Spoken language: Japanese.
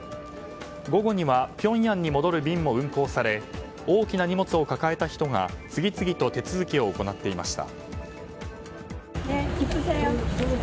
午後にはピョンヤンに戻る便も運航され大きな荷物を抱えた人が次々と手続きを行っていました。